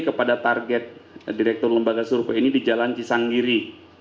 kepada target direktur lembaga survei ini di jalan cisanggiri